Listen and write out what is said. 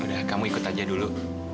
udah kamu ikut aja dulu